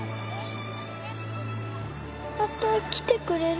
また来てくれる？